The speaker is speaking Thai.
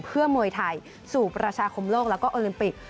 เพื่อมวยไทยสู่ประชาคมโลกแล้วก็โอลิมปิก